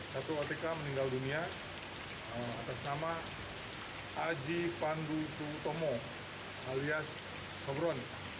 satu atk meninggal dunia atas nama aji pandu sutomo alias hobron